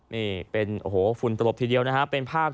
ไม่เป็นโภโธห่ะฝุนตลกทีเดียวนะครับ